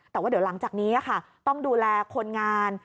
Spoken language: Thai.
แต่ว่าเดี๋ยวหลังจากนี้ต้องดูแลคนงาน